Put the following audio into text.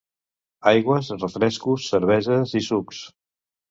Aigües, refrescos, cerveses i sucs.